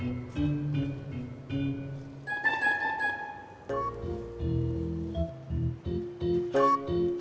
iseng masih jadi orang lebur